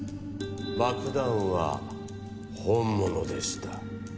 爆弾は本物でした。